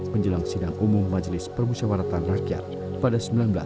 menjelang sidang umum majelis permusyawaratan rakyat pada seribu sembilan ratus sembilan puluh